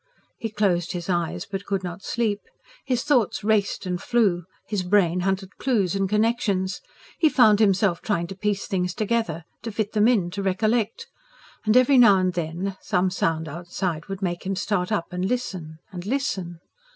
He closed his eyes, but could not sleep. His thoughts raced and flew; his brain hunted clues and connections. He found himself trying to piece things together; to fit them in, to recollect. And every now and then some sound outside would make him start up and listen ... and listen.